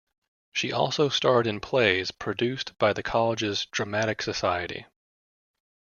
She also starred in plays produced by the college's dramatic society.